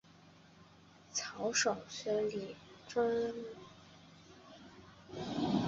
曹爽兄弟最终都决定向司马懿投降。